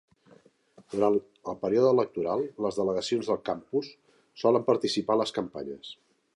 Durant el període electoral, les delegacions del campus solen participar a les campanyes.